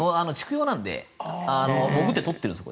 畜養なので潜って取っているんです。